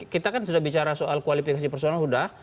kita kan sudah bicara soal kualifikasi personal sudah